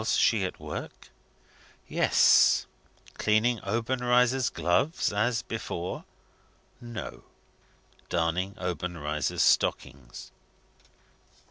Was she at work? Yes. Cleaning Obenreizer's gloves, as before? No; darning Obenreizer's stockings.